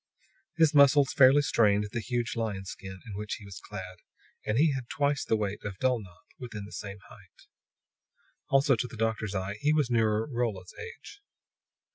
His muscles fairly strained the huge lion's skin in which he was clad, and he had twice the weight of Dulnop within the same height. Also, to the doctor's eye, he was nearer Rolla's age.